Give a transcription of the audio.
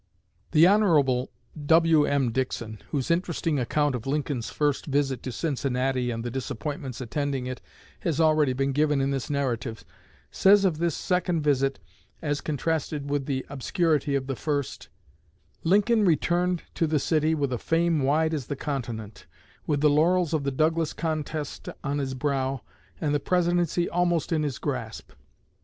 The Hon. W.M. Dickson, whose interesting account of Lincoln's first visit to Cincinnati and the disappointments attending it has already been given in this narrative, says of this second visit as contrasted with the obscurity of the first: "Lincoln returned to the city with a fame wide as the continent, with the laurels of the Douglas contest on his brow, and the Presidency almost in his grasp.